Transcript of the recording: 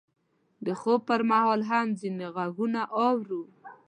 د خوب پر مهال هم ځینې غږونه اورو.